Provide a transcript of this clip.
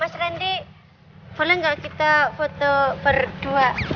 mas randy boleh nggak kita foto berdua